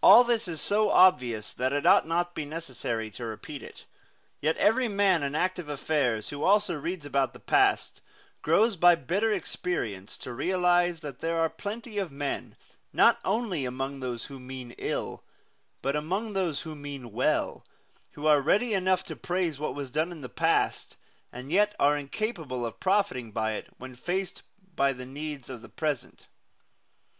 All this is so obvious that it ought not to be necessary to repeat it. Yet every man in active affairs, who also reads about the past, grows by bitter experience to realize that there are plenty of men, not only among those who mean ill, but among those who mean well, who are ready enough to praise what was done in the past, and yet are incapable of profiting by it when faced by the needs of the present.